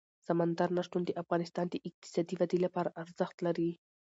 سمندر نه شتون د افغانستان د اقتصادي ودې لپاره ارزښت لري.